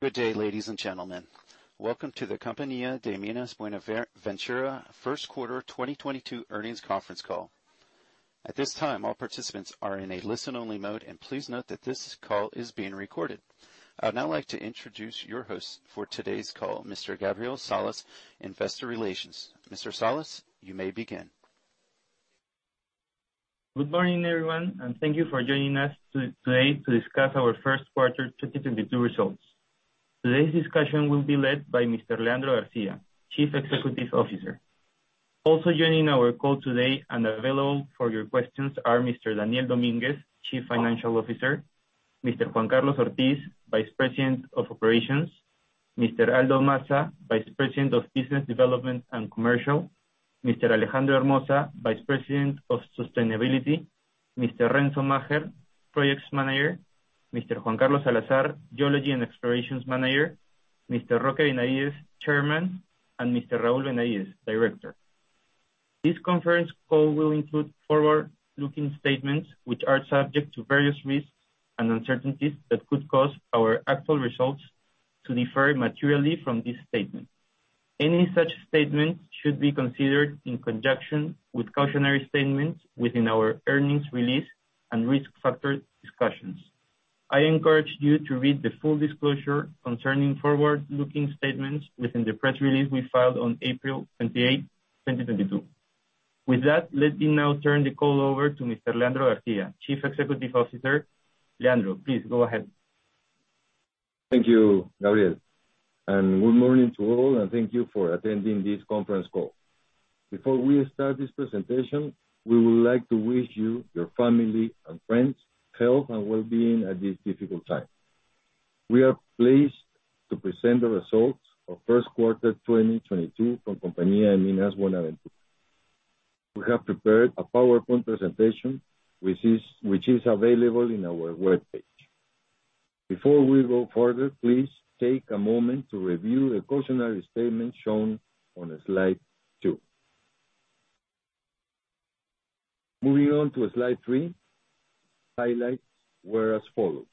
Good day, ladies and gentlemen. Welcome to the Compañía de Minas Buenaventura first quarter 2022 earnings conference call. At this time, all participants are in a listen-only mode. Please note that this call is being recorded. I'd now like to introduce your host for today's call, Mr. Gabriel Salas, Investor Relations. Mr. Salas, you may begin. Good morning, everyone, and thank you for joining us today to discuss our first quarter 2022 results. Today's discussion will be led by Mr. Leandro Garcia, Chief Executive Officer. Also joining our call today and available for your questions are Mr. Daniel Dominguez, Chief Financial Officer, Mr. Juan Carlos Ortiz, Vice President of Operations, Mr. Aldo Massa, Vice President of Business Development and Commercial, Mr. Alejandro Hermoza, Vice President of Sustainability, Mr. Renzo Macher, Projects Manager, Mr. Juan Carlos Salazar, Geology and Explorations Manager, Mr. Roque Benavides, Chairman, and Mr. Raúl Benavides, Director. This conference call will include forward-looking statements, which are subject to various risks and uncertainties that could cause our actual results to differ materially from these statements. Any such statements should be considered in conjunction with cautionary statements within our earnings release and risk factor discussions. I encourage you to read the full disclosure concerning forward-looking statements within the press release we filed on April 28, 2022. With that, let me now turn the call over to Mr. Leandro Garcia, Chief Executive Officer. Leandro, please go ahead. Thank you, Gabriel. Good morning to all, and thank you for attending this conference call. Before we start this presentation, we would like to wish you, your family, and friends health and wellbeing at this difficult time. We are pleased to present the results of first quarter 2022 from Compañía de Minas Buenaventura. We have prepared a PowerPoint presentation which is available in our webpage. Before we go further, please take a moment to review the cautionary statement shown on slide two. Moving on to slide three, highlights were as follows.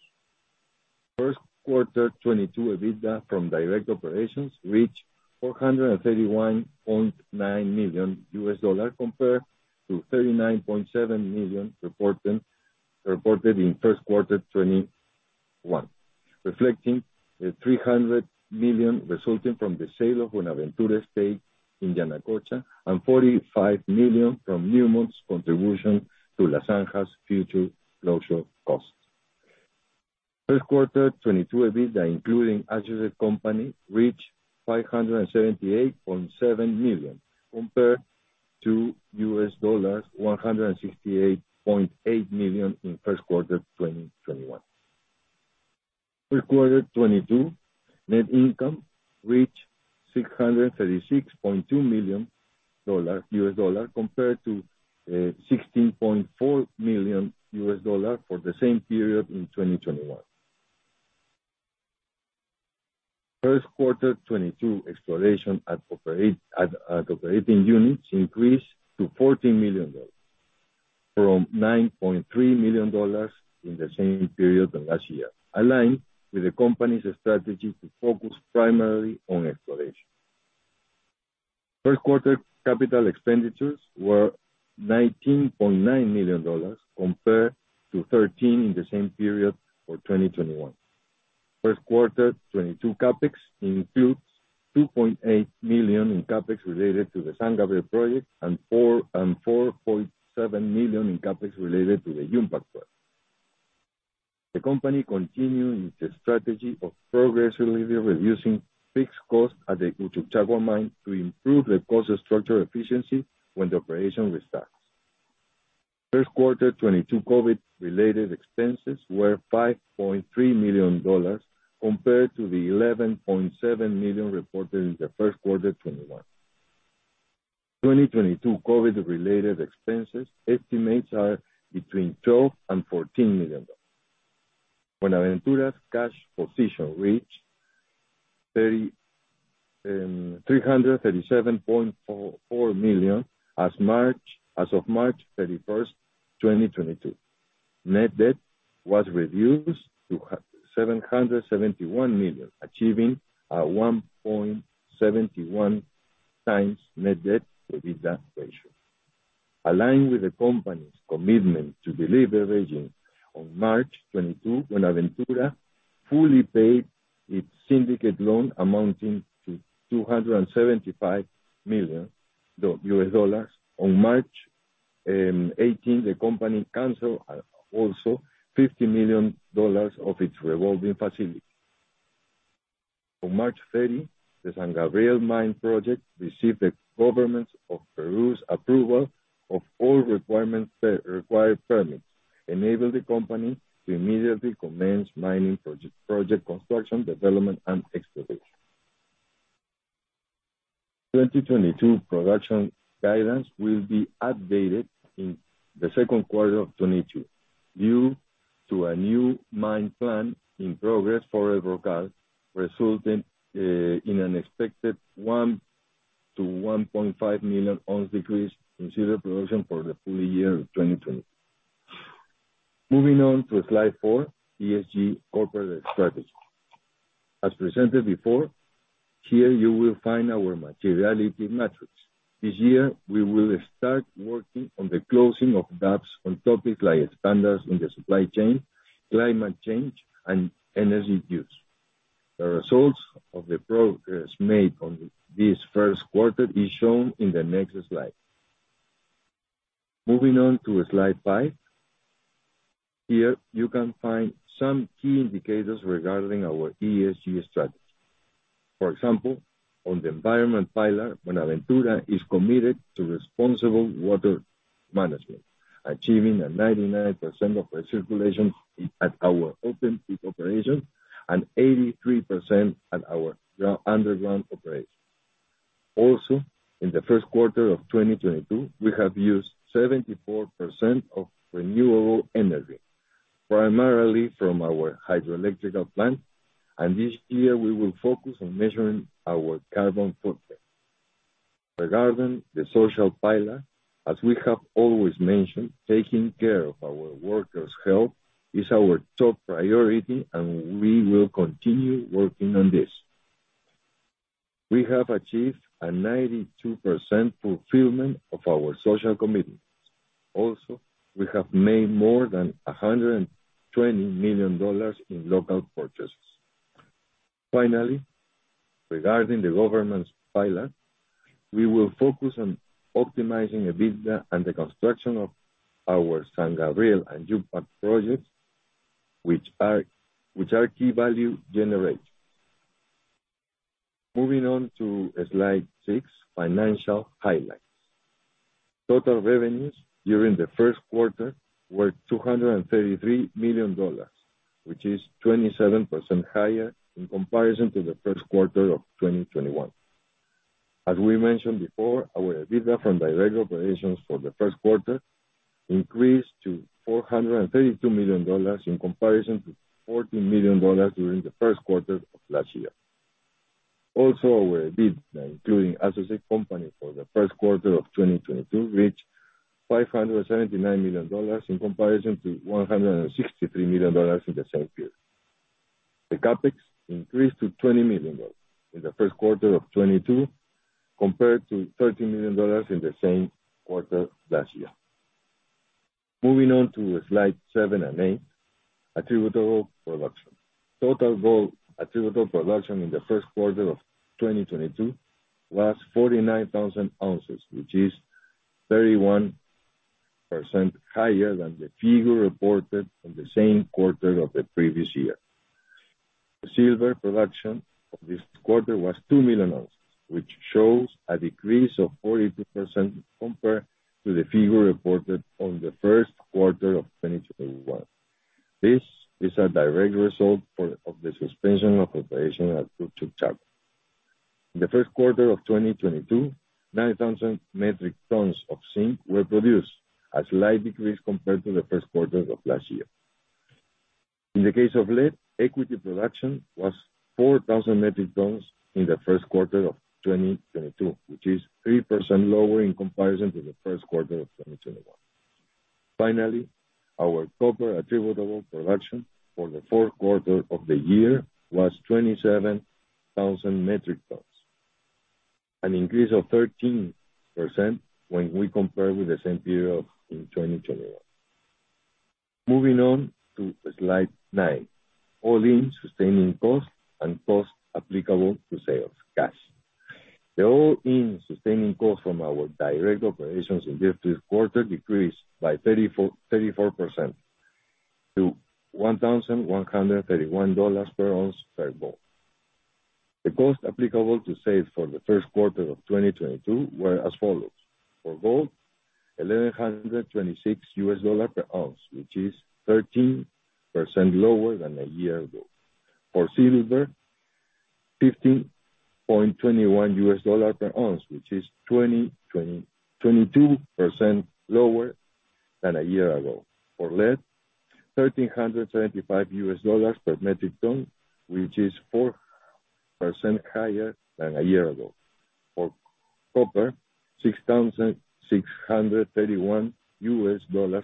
First quarter 2022 EBITDA from direct operations reached $431.9 million compared to $39.7 million reported in first quarter 2021, reflecting the $300 million resulting from the sale of Buenaventura's stake in Yanacocha, and $45 million from Newmont's contribution to La Zanja's future closure costs. First quarter 2022 EBITDA including associate company reached $578.7 million compared to $168.8 million in first quarter 2021. First quarter 2022 net income reached $636.2 million compared to $16.4 million for the same period in 2021. First quarter 2022 exploration at operating units increased to $14 million from $9.3 million in the same period of last year, aligned with the company's strategy to focus primarily on exploration. First quarter capital expenditures were $19.9 million compared to $13 million in the same period for 2021. First quarter 2022 CapEx includes $2.8 million in CapEx related to the San Gabriel project and $4 million and $4.7 million in CapEx related to the Yumpag project. The company continued its strategy of progressively reducing fixed costs at the Uchucchacua Mine to improve the cost structure efficiency when the operation restarts. First quarter 2022 COVID-related expenses were $5.3 million compared to the $11.7 million reported in the first quarter 2021. 2022 COVID-related expenses estimates are between $12 million and $14 million. Buenaventura's cash position reached $337.4 million as of March 31, 2022. Net debt was reduced to $771 million, achieving a 1.71x net debt to EBITDA ratio. Aligned with the company's commitment to deleveraging, on March 2022, Buenaventura fully paid its syndicate loan amounting to $275 million. On March 18, the company canceled also $50 million of its revolving facility. On March 30, the San Gabriel mine project received the Government of Peru's approval of all requirements that require permits, enabling the company to immediately commence mining project construction, development, and exploration. 2022 production guidance will be updated in the second quarter of 2022 due to a new mine plan in progress for El Brocal, resulting in an expected 1 million-1.5 million ounce decrease in silver production for the full year 2022. Moving on to slide four, ESG corporate strategy. As presented before, here you will find our materiality metrics. This year, we will start working on the closing of gaps on topics like standards in the supply chain, climate change, and energy use. The results of the progress made on this first quarter is shown in the next slide. Moving on to slide five. Here, you can find some key indicators regarding our ESG strategy. For example, on the environment pillar, Buenaventura is committed to responsible water management, achieving 99% of recirculation at our open pit operation and 83% at our underground operation. Also, in the first quarter of 2022, we have used 74% of renewable energy, primarily from our hydroelectric plant. This year, we will focus on measuring our carbon footprint. Regarding the social pillar, as we have always mentioned, taking care of our workers' health is our top priority, and we will continue working on this. We have achieved a 92% fulfillment of our social commitments. Also, we have made more than $120 million in local purchases. Finally, regarding the governance pillar, we will focus on optimizing EBITDA and the construction of our San Gabriel and Yumpag projects, which are key value generators. Moving on to slide six, financial highlights. Total revenues during the first quarter were $233 million, which is 27% higher in comparison to the first quarter of 2021. As we mentioned before, our EBITDA from direct operations for the first quarter increased to $432 million in comparison to $40 million during the first quarter of last year. Our EBITDA, including associate company for the first quarter of 2022, reached $579 million in comparison to $163 million in the same period. The CapEx increased to $20 million in the first quarter of 2022, compared to $13 million in the same quarter last year. Moving on to slide seven and eight, attributable production. Total gold attributable production in the first quarter of 2022 was 49,000 ounces, which is 31% higher than the figure reported in the same quarter of the previous year. The silver production of this quarter was 2 million ounces, which shows a decrease of 42% compared to the figure reported on the first quarter of 2021. This is a direct result of the suspension of operation at Uchucchacua. In the first quarter of 2022, 9,000 metric tons of zinc were produced, a slight decrease compared to the first quarter of last year. In the case of lead, equity production was 4,000 metric tons in the first quarter of 2022, which is 3% lower in comparison to the first quarter of 2021. Our copper attributable production for the fourth quarter of the year was 27,000 metric tons, an increase of 13% when we compare with the same period of, in 2021. Moving on to slide 9, all-in sustaining cost and cost applicable to sales cash. The all-in sustaining cost from our direct operations in the first quarter decreased by 34% to $1,131 per ounce of gold. The cost applicable to sales for the first quarter of 2022 were as follows. For gold, $1,126 per ounce, which is 13% lower than a year ago. For silver, $15.21 per ounce, which is 22% lower than a year ago. For lead, $1,375 per metric ton, which is 4% higher than a year ago. For copper, $6,631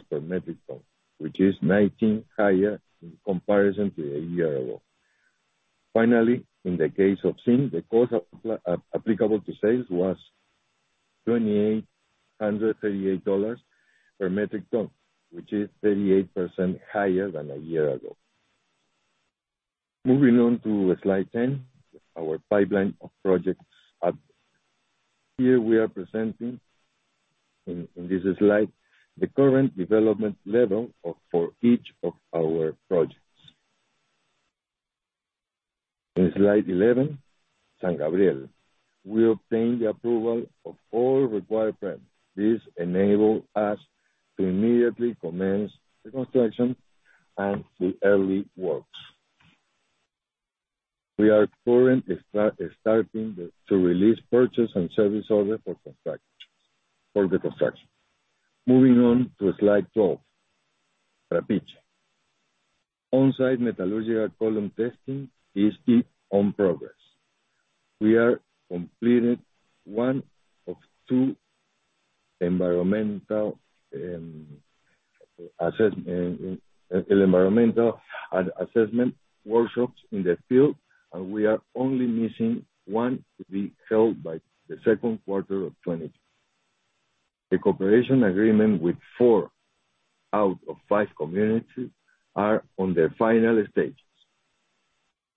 per metric ton, which is 19% higher in comparison to a year ago. Finally, in the case of zinc, the cost applicable to sales was $2,838 per metric ton, which is 38% higher than a year ago. Moving on to slide 10, our pipeline of projects update. Here we are presenting in this slide the current development level for each of our projects. In slide 11, San Gabriel. We obtained the approval of all required permits. This enable us to immediately commence the construction and the early works. We are currently starting to release purchase and service order for the construction. Moving on to slide 12. Trapiche. On-site metallurgical column testing is still in progress. We completed one of two environmental assessment workshops in the field, and we are only missing one to be held by the second quarter of 2022. The cooperation agreement with four out of five communities are on their final stages.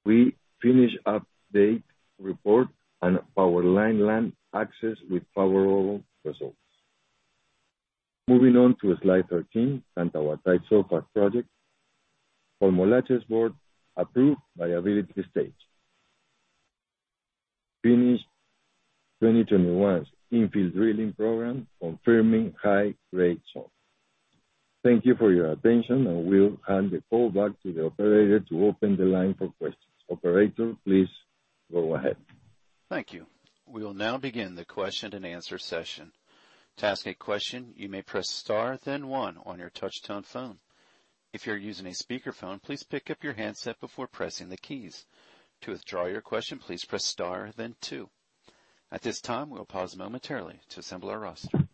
We finished update report on power line land access with favorable results. Moving on to slide 13 and our project. The board approved viability stage. Finished 2021's in-field drilling program confirming high grade. Thank you for your attention, and we'll hand the call back to the operator to open the line for questions. Operator, please go ahead. Thank you. We'll now begin the question and answer session. To ask a question, you may press star then one on your touchtone phone. If you're using a speaker phone, please pick up your handset before pressing the keys. To withdraw your question, please press star then two. At this time, we'll pause momentarily to assemble our roster.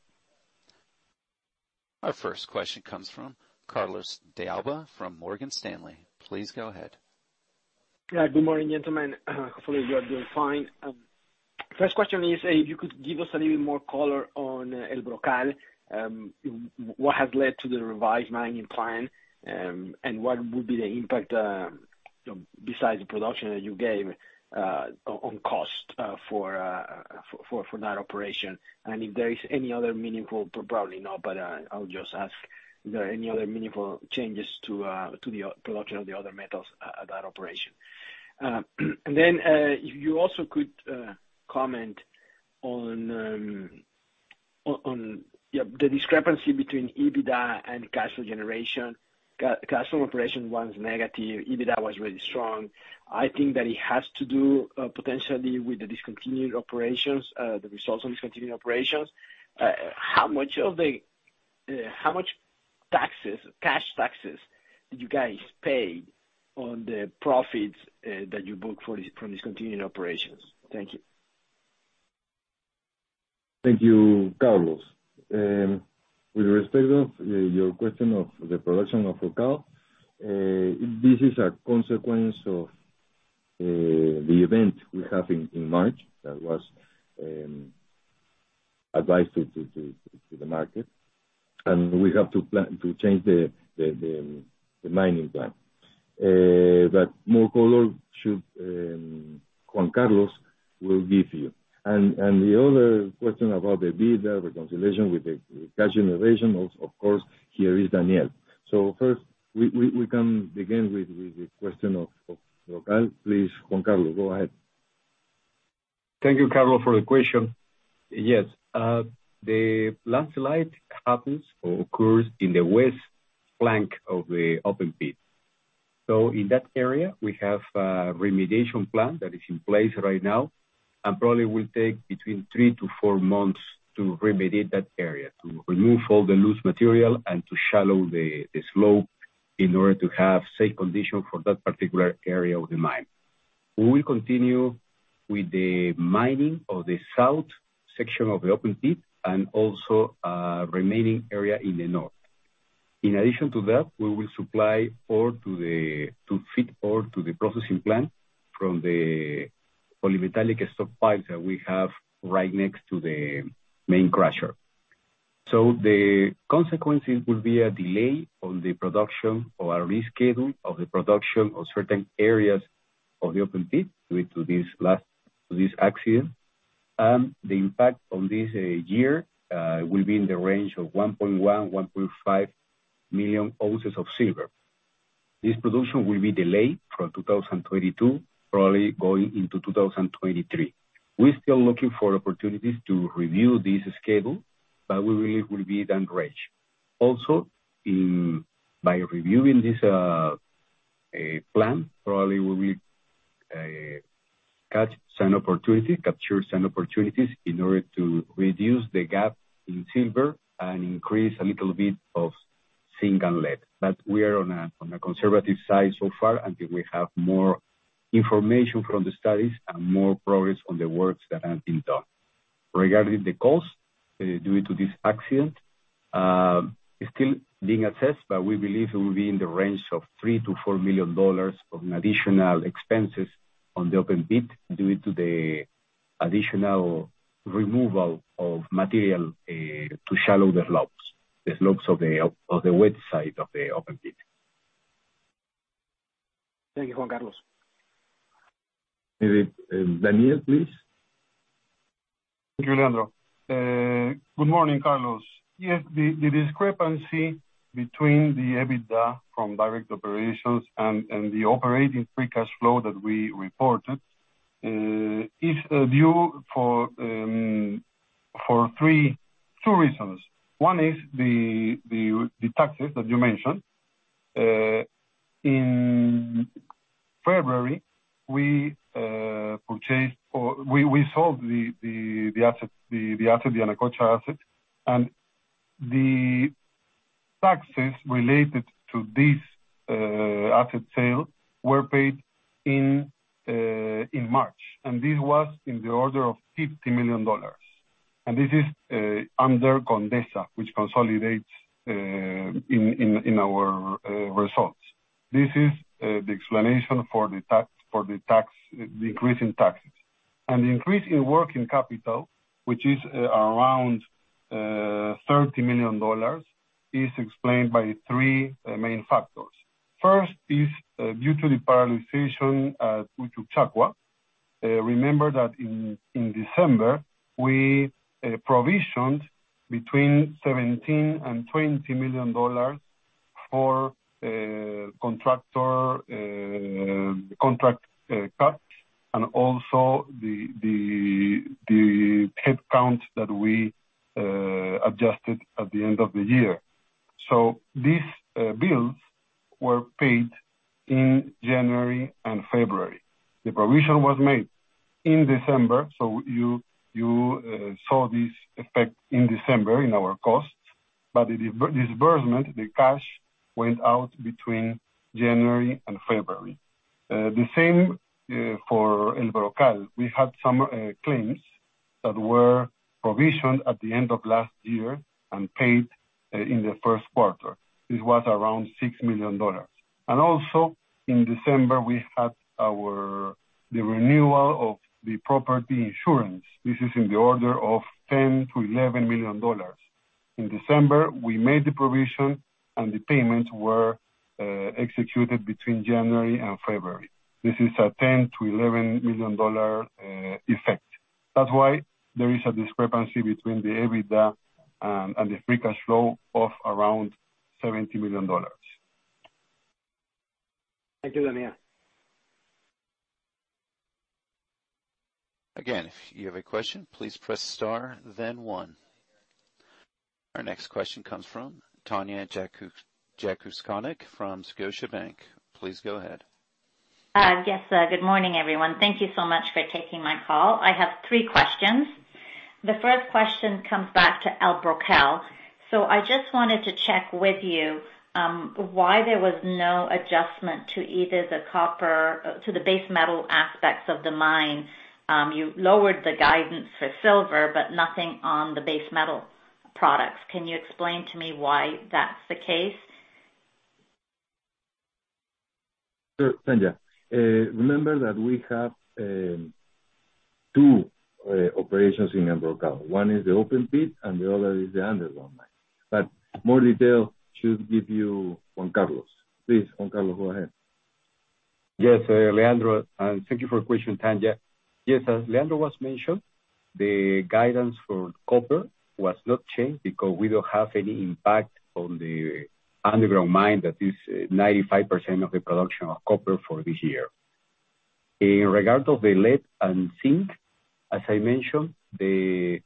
Our first question comes from Carlos de Alba from Morgan Stanley. Please go ahead. Good morning, gentlemen. Hopefully you are doing fine. First question is, if you could give us a little more color on El Brocal. What has led to the revised mining plan? What would be the impact, besides the production that you gave, on cost, for that operation? If there is any other meaningful. Probably not, but I'll just ask, is there any other meaningful changes to the production of the other metals at that operation? Then, if you also could comment on the discrepancy between EBITDA and cash generation. Cash operation was negative. EBITDA was really strong. I think that it has to do potentially with the discontinued operations, the results of discontinued operations. How much taxes, cash taxes did you guys pay on the profits that you book for this, from discontinuing operations? Thank you. Thank you, Carlos. With respect to your question on the production of Brocal, this is a consequence of the event we have in March. That was advised to the market. We have to plan to change the mining plan. But more color, Juan Carlos will give you. The other question about the EBITDA reconciliation with the cash generation, of course, here is Daniel. First, we can begin with the question of Brocal. Please, Juan Carlos, go ahead. Thank you, Carlos, for the question. Yes, the landslide happens or occurs in the west flank of the open pit. In that area, we have a remediation plan that is in place right now, and probably will take between three to four months to remediate that area, to remove all the loose material and to shallow the slope in order to have safe condition for that particular area of the mine. We will continue with the mining of the south section of the open pit and also a remaining area in the north. In addition to that, we will supply ore to feed ore to the processing plant from the polymetallic stock piles that we have right next to the main crusher. The consequences will be a delay on the production or a risk schedule of the production of certain areas of the open pit due to this accident. The impact on this year will be in the range of 1.1 million-1.5 million ounces of silver. This production will be delayed from 2022, probably going into 2023. We're still looking for opportunities to review this schedule, but we believe it will be that range. Also, by reviewing this plan, probably we will catch some opportunity, capture some opportunities in order to reduce the gap in silver and increase a little bit of zinc and lead. We are on a conservative side so far until we have more information from the studies and more progress on the works that have been done. Regarding the cost due to this accident, it's still being assessed, but we believe it will be in the range of $3 million-$4 million of additional expenses on the open pit due to the additional removal of material to shallow the slopes of the west side of the open pit. Thank you, Juan Carlos. Damian, Daniel, please. Thank you, Leandro. Good morning, Carlos. Yes, the discrepancy between the EBITDA from direct operations and the operating free cash flow that we reported is due to two reasons. One is the taxes that you mentioned in- February, we sold the Yanacocha asset and the taxes related to this asset sale were paid in March, and this was in the order of $50 million. This is under Condesa, which consolidates in our results. This is the explanation for the increase in taxes. The increase in working capital, which is around $30 million, is explained by three main factors. First is due to the provisioning due to Uchucchacua. Remember that in December, we provisioned between $17 million and $20 million for contractor and contract cuts and also the headcounts that we adjusted at the end of the year. These bills were paid in January and February. The provision was made in December, so you saw this effect in December in our costs, but the disbursement, the cash went out between January and February. The same for El Brocal. We had some claims that were provisioned at the end of last year and paid in the first quarter. This was around $6 million. Also in December, we had our renewal of the property insurance. This is in the order of $10-$11 million. In December, we made the provision and the payments were executed between January and February. This is a $10-$11 million effect. That's why there is a discrepancy between the EBITDA and the free cash flow of around $70 million. Thank you, Daniel. Again, if you have a question, please press star then one. Our next question comes from Tanya Jakusconek from Scotiabank. Please go ahead. Yes, good morning, everyone. Thank you so much for taking my call. I have three questions. The first question comes back to El Brocal. I just wanted to check with you why there was no adjustment to either the copper or to the base metal aspects of the mine. You lowered the guidance for silver, but nothing on the base metal products. Can you explain to me why that's the case? Sure, Tanya. Remember that we have two operations in El Brocal. One is the open pit and the other is the underground mine. More detail should give you Juan Carlos. Please, Juan Carlos, go ahead. Yes, Leandro. Thank you for your question, Tanya. Yes, as Leandro has mentioned, the guidance for copper was not changed because we don't have any impact on the underground mine. That is 95% of the production of copper for this year. In regard of the lead and zinc, as I mentioned, the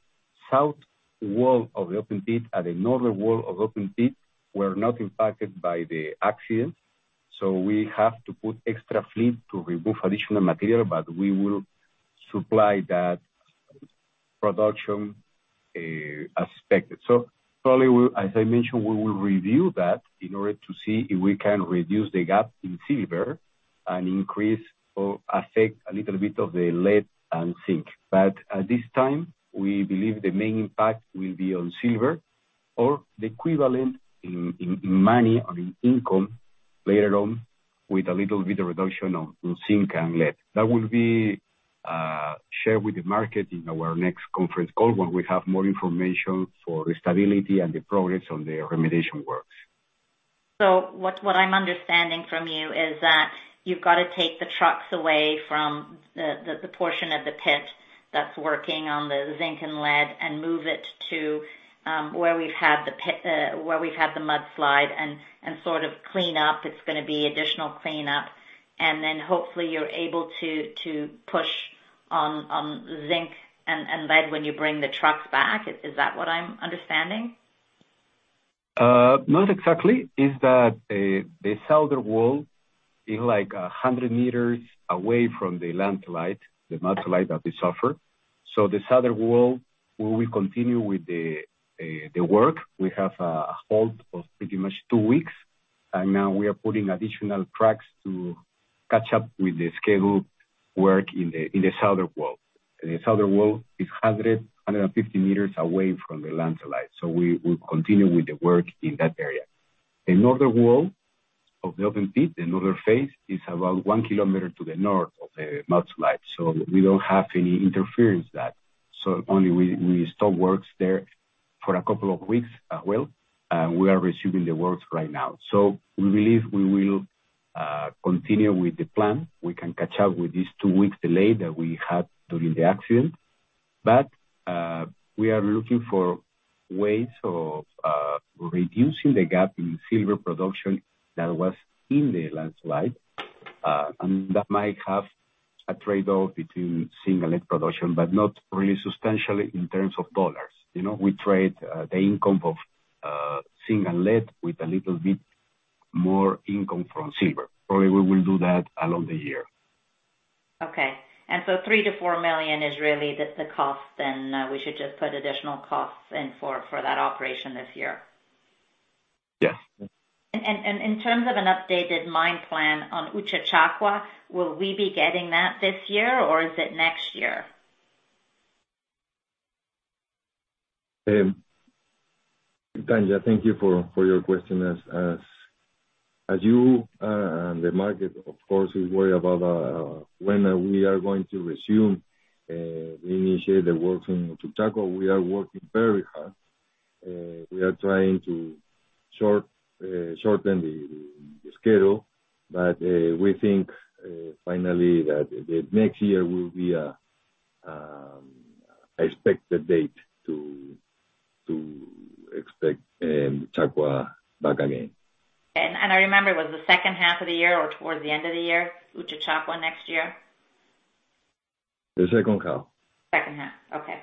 south wall of the open pit and the northern wall of open pit were not impacted by the accident, so we have to put extra fleet to remove additional material, but we will supply that production, as expected. Probably we'll, as I mentioned, we will review that in order to see if we can reduce the gap in silver and increase or affect a little bit of the lead and zinc. At this time, we believe the main impact will be on silver or the equivalent in money or in income later on with a little bit of reduction on zinc and lead. That will be shared with the market in our next conference call when we have more information for the stability and the progress on the remediation works. What I'm understanding from you is that you've got to take the trucks away from the portion of the pit that's working on the zinc and lead and move it to where we've had the mudslide and sort of clean up. It's gonna be additional cleanup. Hopefully you're able to push on zinc and lead when you bring the trucks back. Is that what I'm understanding? Not exactly. The southern wall is like 100 meters away from the landslide, the landslide that we suffered. The southern wall, we will continue with the work. We have a halt of pretty much two weeks, and now we are putting additional trucks to catch up with the scheduled work in the southern wall. The southern wall is 150 meters away from the landslide, so we will continue with the work in that area. The northern wall of the open pit, the northern face, is about one kilometer to the north of the landslide, so we don't have any interference there. Only we stopped work there for a couple of weeks, and we are resuming the work right now. We believe we will continue with the plan. We can catch up with this two-week delay that we had during the accident. We are looking for ways of reducing the gap in silver production that was in the landslide, and that might have a trade-off between zinc and lead production, but not really substantially in terms of dollars. You know, we trade the income of- zinc and lead with a little bit more income from silver. Probably we will do that along the year. $3 million-$4 million is really the cost then. We should just put additional costs in for that operation this year. Yes. In terms of an updated mine plan on Uchucchacua, will we be getting that this year or is it next year? Tanya, thank you for your question. As you and the market of course, we worry about when we are going to resume reinitiate the work in Uchucchacua. We are working very hard. We are trying to shorten the schedule but we think finally that the next year will be expected date to expect Uchucchacua back again. I remember it was the second half of the year or towards the end of the year, Uchucchacua next year? The second half. Second half. Okay.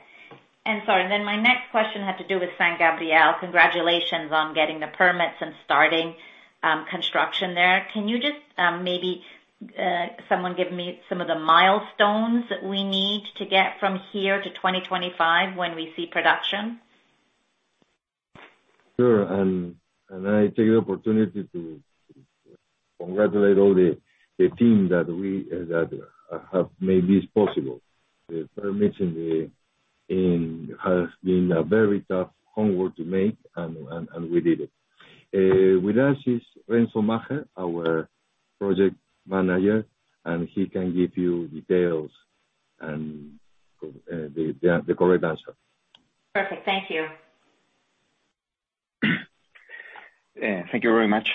Sorry, then my next question had to do with San Gabriel. Congratulations on getting the permits and starting construction there. Can you just maybe someone give me some of the milestones that we need to get from here to 2025 when we see production? Sure. I take the opportunity to congratulate all the team that we have made this possible. The permission has been a very tough homework to make and we did it. With us is Renzo Macher, our project manager, and he can give you details and the correct answer. Perfect. Thank you. Yeah. Thank you very much.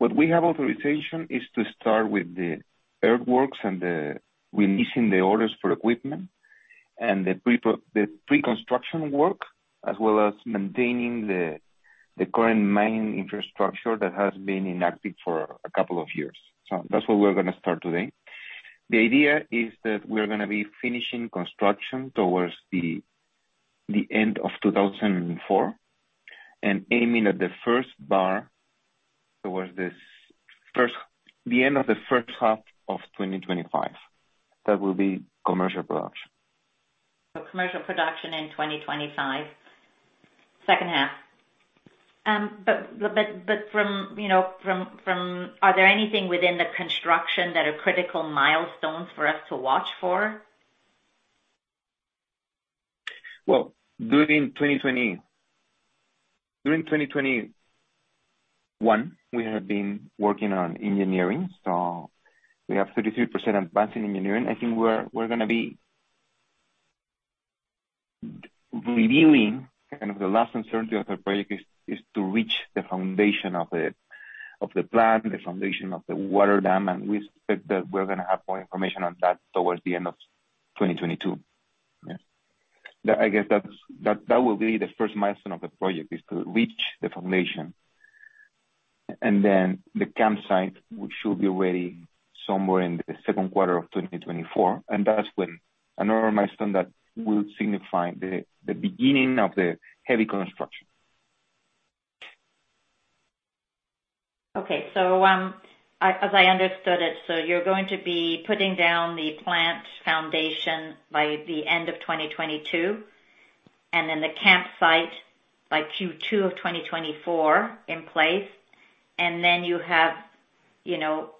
What we have authorization is to start with the earthworks and we're placing the orders for equipment and the pre-construction work, as well as maintaining the current main infrastructure that has been inactive for a couple of years. That's what we're gonna start today. The idea is that we're gonna be finishing construction towards the end of 2024, and aiming at the first pour towards the end of the first half of 2025. That will be commercial production. Commercial production in 2025, second half. From, you know, are there anything within the construction that are critical milestones for us to watch for? Well, during 2020, during 2021, we have been working on engineering. So we have 33% advance in engineering. I think we're gonna be revealing kind of the last uncertainty of the project is to reach the foundation of the plant, the foundation of the water dam, and we expect that we're gonna have more information on that towards the end of 2022. Yeah. That I guess that's that will be the first milestone of the project, is to reach the foundation. Then the campsite, which should be ready somewhere in the second quarter of 2024, and that's when another milestone that will signify the beginning of the heavy construction. Okay. As I understood it, you're going to be putting down the plant foundation by the end of 2022, and then the campsite by Q2 of 2024 in place. You have, you know,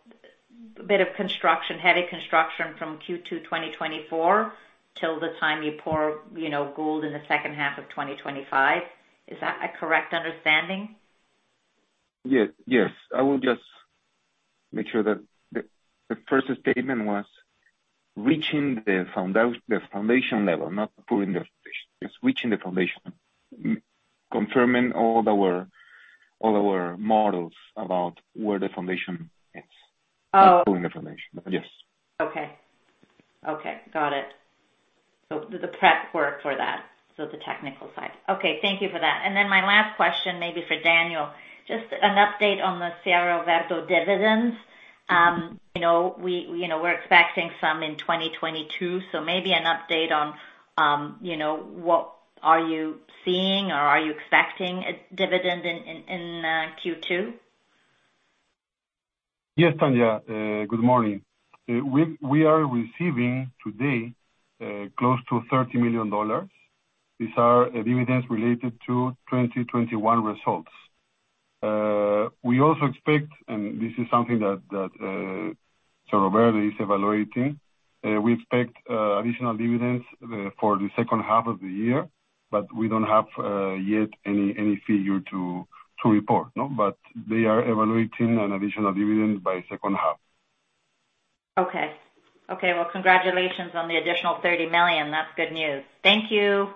bit of construction, heavy construction from Q2 2024 till the time you pour, you know, gold in the second half of 2025. Is that a correct understanding? Yes. I will just make sure that the first statement was reaching the foundation level, not pulling the foundation. It's reaching the foundation. Confirming all our models about where the foundation is. Oh. Not pulling the foundation. Yes. Okay. Got it. The prep work for that. The technical side. Okay. Thank you for that. My last question, maybe for Daniel, just an update on the Cerro Verde dividends. You know, we're expecting some in 2022, so maybe an update on what you're seeing or are you expecting a dividend in Q2? Yes, Tanya. Good morning. We are receiving today close to $30 million. These are dividends related to 2021 results. We also expect, and this is something that Cerro Verde is evaluating. We expect additional dividends for the second half of the year, but we don't have yet any figure to report. No, but they are evaluating an additional dividend by second half. Okay. Well, congratulations on the additional $30 million. That's good news. Thank you.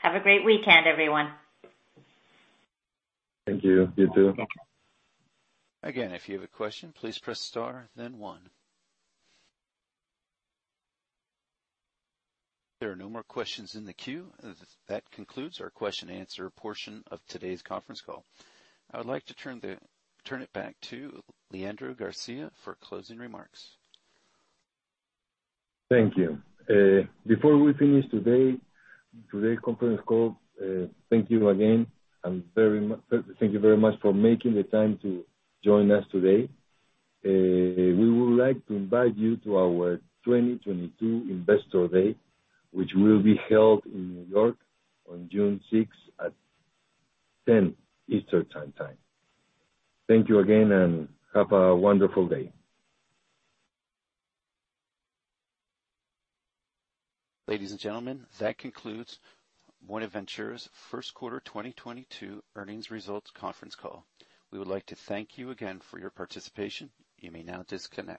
Have a great weekend, everyone. Thank you. You too. Okay. Again, if you have a question, please press star then one. There are no more questions in the queue. That concludes our question-answer portion of today's conference call. I would like to turn it back to Leandro Garcia for closing remarks. Thank you. Before we finish today's conference call, thank you again. Thank you very much for making the time to join us today. We would like to invite you to our 2022 Investor Day, which will be held in New York on June 6th at 10:00 Eastern Time. Thank you again, and have a wonderful day. Ladies and gentlemen, that concludes Buenaventura's first quarter 2022 earnings results conference call. We would like to thank you again for your participation. You may now disconnect.